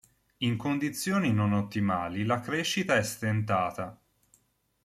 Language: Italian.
In condizioni non ottimali la crescita è stentata.